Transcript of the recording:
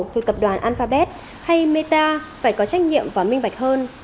thuộc tập đoàn alphabet hay meta phải có trách nhiệm và minh bạch hơn